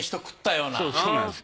そうなんです。